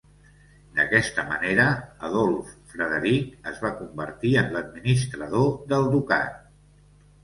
D'aquesta manera, Adolf Frederic es va convertir en l'administrador del ducat.